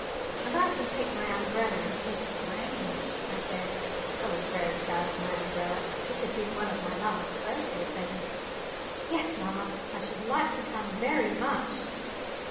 "And I can take my umbrella in case it rains," I said. I was very proud of my umbrella. It had been one of my last birthday presents. "Yes, mamma, I should like to come very much.